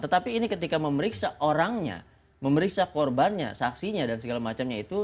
tetapi ini ketika memeriksa orangnya memeriksa korbannya saksinya dan segala macamnya itu